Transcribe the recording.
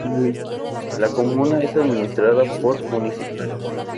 La comuna es administrada por Municipalidades.